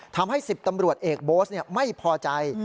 ทำให้๑๐ตำรวจเอกโบสต์ไม่พอใจ